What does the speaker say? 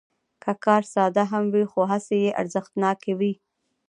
که کار ساده هم وي، خو هڅې یې ارزښتناکوي.